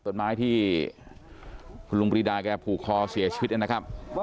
ต้นไม้ที่คุณลุงปรีดาแกผูกคอเสียชีวิตนะครับ